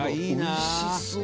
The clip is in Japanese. おいしそう！